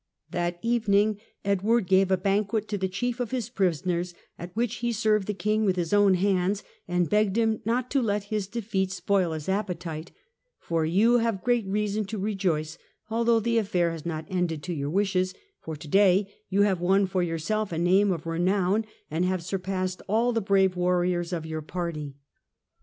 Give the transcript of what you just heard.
That evening Edward gave a banquet to the chief of his prisoners, at which he served the King with his own hands and begged him not to let his defeat spoil his appetite; "for you have great reason to rejoice although the affair has not ended to your wishes, for to day you have won for yourself a name of renown, and have surpassed all the brave warriors of your party